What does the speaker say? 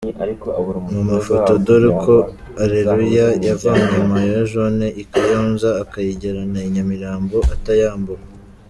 Mu mafoto, dore uko Areruya yavanye Mayo jone i Kayonza akayigerana i Nyamirambo atayambuwe.